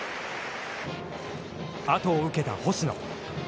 後を受けた星野。